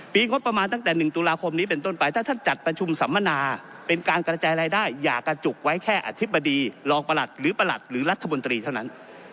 งบประมาณตั้งแต่๑ตุลาคมนี้เป็นต้นไปถ้าท่านจัดประชุมสัมมนาเป็นการกระจายรายได้อย่ากระจุกไว้แค่อธิบดีรองประหลัดหรือประหลัดหรือรัฐมนตรีเท่านั้น